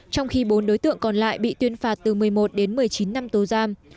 trong khi bốn đối tượng còn lại bị tuyên phạt từ một mươi một đến một mươi chín năm tù giam